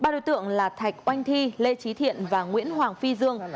ba đối tượng là thạch oanh thi lê trí thiện và nguyễn hoàng phi dương